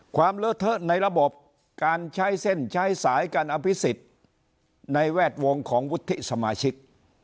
เลอะเทอะในระบบการใช้เส้นใช้สายการอภิษฎในแวดวงของวุฒิสมาชิก